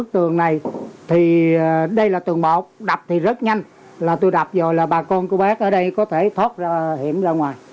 thì đây là tường một đập thì rất nhanh là tôi đập rồi là bà con của bác ở đây có thể thoát hiểm ra ngoài